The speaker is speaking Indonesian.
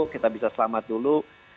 kita bisa selamat dulu